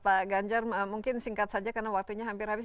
pak ganjar mungkin singkat saja karena waktunya hampir habis